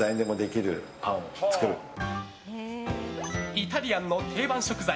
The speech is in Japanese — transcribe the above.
イタリアンの定番食材